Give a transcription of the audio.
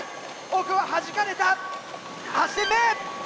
奥ははじかれた８点目！